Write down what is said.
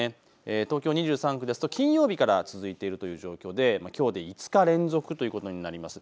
東京２３区ですと金曜日から続いているという状況で、きょうで５日連続ということになります。